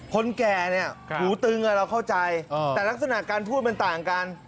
คนแก่เนี่ยหูตึงเราเข้าใจแต่ลักษณะการพูดมันต่างกัน